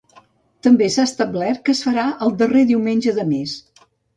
També s’ha establert que es farà el darrer diumenge de mes.